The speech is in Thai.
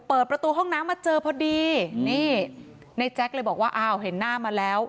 เปิดประตูห้องน้ำมาเจอพอดีนี่ในแจ๊คเลยบอกว่าอ้าวเห็นหน้ามาแล้ว